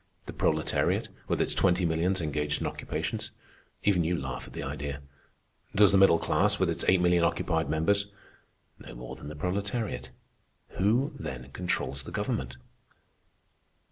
The proletariat with its twenty millions engaged in occupations? Even you laugh at the idea. Does the middle class, with its eight million occupied members? No more than the proletariat. Who, then, controls the government?